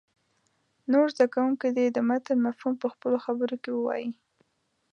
نور زده کوونکي دې د متن مفهوم په خپلو خبرو کې ووایي.